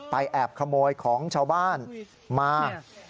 แอบขโมยของชาวบ้านมา